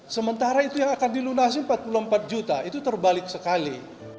sementara itu yang akan dilunasi empat puluh empat juta itu terbalik sekali